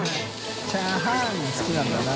チャーハーン」が好きなんだな。